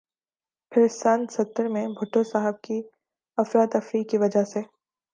پھر سن ستر میں بھٹو صاھب کی افراتفریح کی وجہ سے